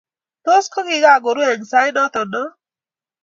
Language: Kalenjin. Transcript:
Tos kokikakoru eng sait noto no